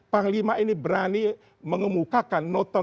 panglima ini berani mengemukakan